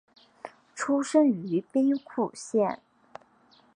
出身于兵库县。